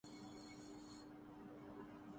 عشق کی آگ لگی ہو تو دھواں ہوتا ہے